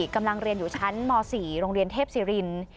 กำลังเรียนอยู่ชั้นม๔โรงเรียนเทพศิริน